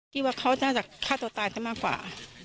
คิดว่าเขาน่าจะฆ่าตัวตายซะมากกว่า